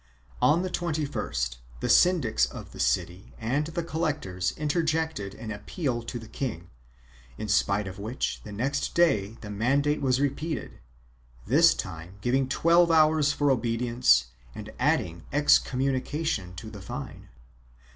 On the 21st the syndics of the city and the collectors interjected an appeal to the king, in spite of which the next day the mandate was repeated, this time giving twelve hours for obedience and adding excommunication to the fine.